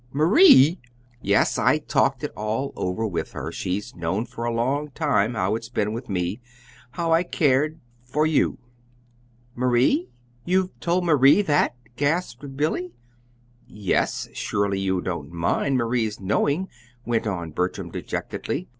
"MARIE!" "Yes. I talked it all over with her. She's known for a long time how it's been with me; how I cared for you." "Marie! You've told Marie that?" gasped Billy. "Yes. Surely you don't mind Marie's knowing," went on Bertram, dejectedly.